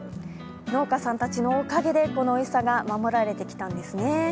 農家さんたちのおかげでこのおいしさが守られてきたんですね。